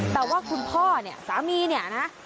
แต่ว่าคุณพ่อเนี่ยสามีเนี่ยนะ